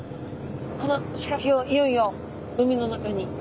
この仕かけをいよいよ海の中に。